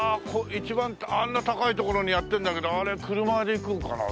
一番あんな高い所にやってるんだけどあれ車で行くのかな？